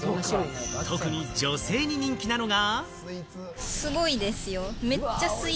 特に女性に人気なのが。